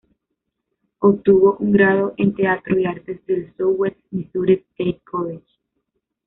Obtuvo un grado en teatro y artes del Southwest Misuri State College.